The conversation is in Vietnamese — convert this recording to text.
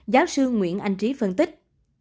giáo sư nguyễn anh trí phân tích